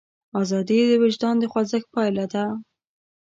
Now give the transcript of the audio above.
ازادي د وجدان د خوځښت پایله ده.